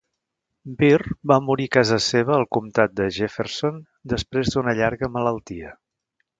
Byrd va morir a casa seva al comtat de Jefferson després d'una llarga malaltia.